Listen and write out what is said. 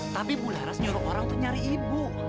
tapi bu laras nyuruh orang untuk nyari ibu